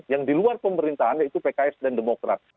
yang di luar pemerintahan yaitu pks dan demokrat